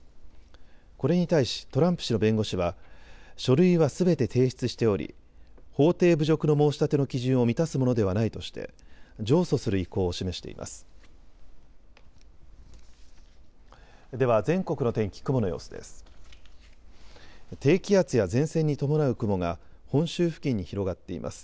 これに対しトランプ氏の弁護士は書類はすべて提出しており法廷侮辱の申し立ての基準を満たすものではないとして上訴する意向を示しています。